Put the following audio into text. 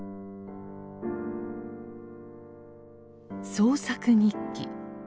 「創作日記」。